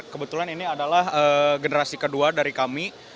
kebetulan ini adalah generasi kedua dari kami